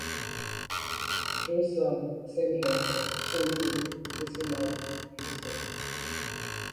junção, semi-retas, polígono, decimal, vistas